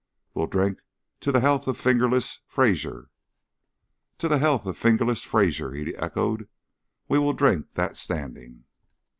"We'll drink to the health of 'Fingerless' Fraser." "To the health of 'Fingerless' Fraser," he echoed. "We will drink that standing."